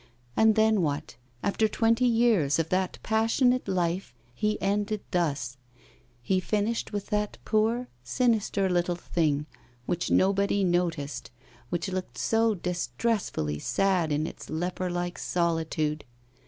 And then what? After twenty years of that passionate life he ended thus he finished with that poor, sinister little thing, which nobody noticed, which looked so distressfully sad in its leper like solitude!